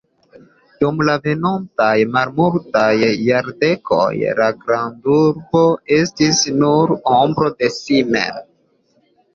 Dum la venontaj malmultaj jardekoj la grandurbo estis nur ombro de si mem.